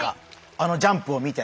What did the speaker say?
あのジャンプを見て。